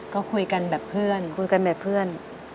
ก็คุยกันแบบเพื่อน